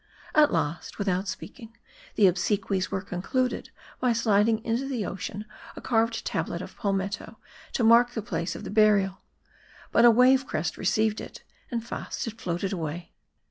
At last, without speaking, the obsequies were concluded by sliding into the ocean a carved tablet of Palmetto, to mark the place of the burial. But a wave crest received it, and fast it floated away.